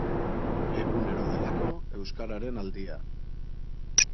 Egunero delako euskararen aldia.